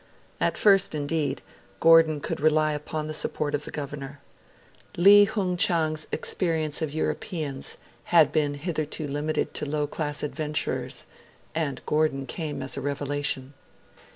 At first, indeed, Gordon could rely upon the support of the Governor. Li Flung Chang's experience of Europeans had been hitherto limited to low class adventurers, and Gordon came as a revelation.